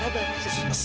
aduh aduh aduh